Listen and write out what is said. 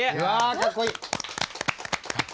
かっこいいわ。